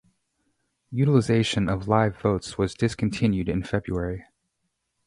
Utilization of live votes was discontinued in February.